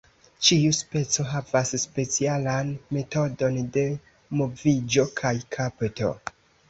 Ĉiu speco havas specialan metodon de moviĝo kaj kapto.